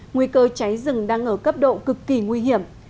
nguy cơ cháy rừng đang ở cấp độ cực kỳ nguy hiểm